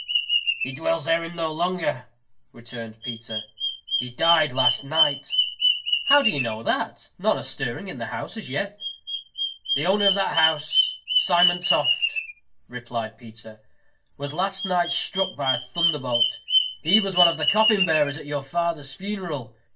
"He dwells therein no longer," returned Peter; "he died last night." "How know you that? None are stirring in the house as yet." "The owner of that house, Simon Toft," replied Peter, "was last night struck by a thunderbolt. He was one of the coffin bearers at your father's funeral.